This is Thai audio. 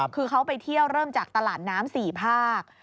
คือเขาไปเที่ยวเริ่มจากตลาดน้ำ๔ภาค